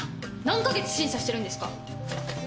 何か月審査してるんですか！